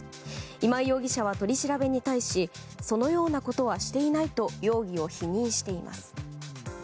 今井容疑者は、取り調べに対しそのようなことはしていないと容疑を否認しています。